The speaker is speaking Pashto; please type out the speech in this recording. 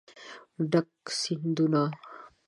ډک سیندونه